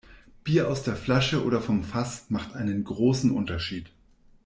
Bier aus der Flasche oder vom Fass macht einen großen Unterschied.